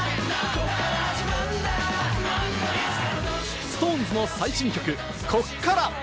ＳｉｘＴＯＮＥＳの最新曲『こっから』。